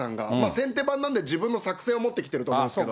先手番なんで、自分の作戦を持ってきてると思うんですけど。